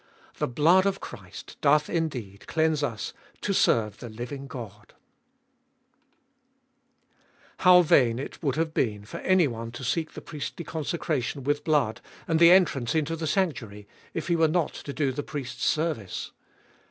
The blood of Christ doth indeed cleanse us to serve the living God ! 1. How vain it would have been for anyone to seek the priestly consecration with blood, and the entrance into the sanctuary, if he were not to do the priest's service.